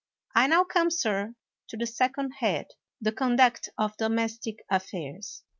I now come, sir, to the second head — the con duct of domestic affairs.